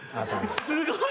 すごい。